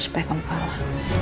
supaya kau paham